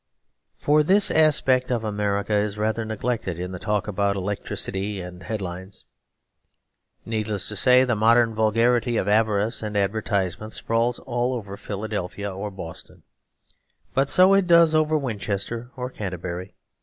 For this aspect of America is rather neglected in the talk about electricity and headlines. Needless to say, the modern vulgarity of avarice and advertisement sprawls all over Philadelphia or Boston; but so it does over Winchester or Canterbury.